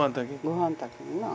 ごはん炊きもな。